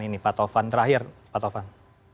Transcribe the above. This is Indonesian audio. ini pak taufan terakhir pak taufan